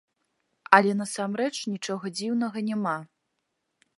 Але насамрэч нічога дзіўнага няма.